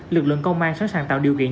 lực lượng công an sẵn sàng tạo điều kiện